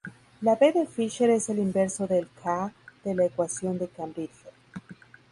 La V de Fisher es el inverso del k de la "ecuación de Cambridge".